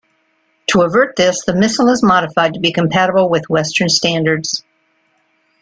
To avert this, the missile is modified to be compatible with western standards.